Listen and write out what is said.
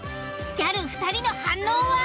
ギャル２人の反応は？